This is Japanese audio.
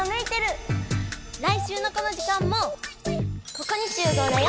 来週のこの時間もここにしゅう合だよ！